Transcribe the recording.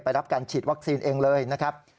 รับการฉีดวัคซีนเองเลยนะครับ